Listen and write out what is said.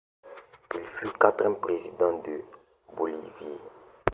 Il fut le quatrième président de Bolivie.